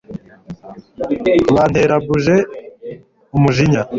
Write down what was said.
bantera buje umujinya